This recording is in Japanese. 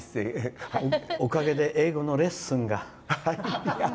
おかげで英語のレッスンが。